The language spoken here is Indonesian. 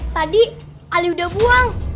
tadi ali udah buang